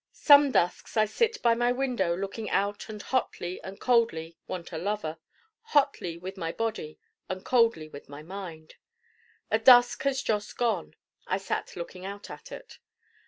Some dusks I sit by my window looking out and hotly and coldly want a Lover: hotly with my Body and coldly with my Mind. A dusk has just gone. I sat looking out at it.